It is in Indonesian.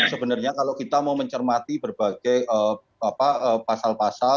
sebenarnya kalau kita mau mencermati berbagai pasal pasal